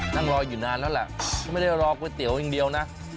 นั่งรออยู่นานแล้วแหละก็ไม่ได้รอก๋วยเตี๋ยวอย่างเดียวนะ